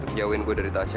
jika dia menunggu dari tasya